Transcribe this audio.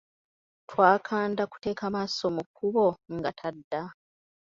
Twakanda kuteeka maaso mu kkubo nga tadda.